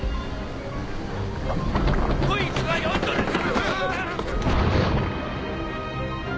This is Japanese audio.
こいつが呼んどるんだ！